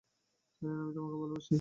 Allen, আমি তোমাকে ভালোবাসি।